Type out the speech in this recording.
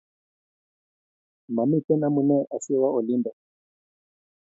mamiten amune asiawoo olindo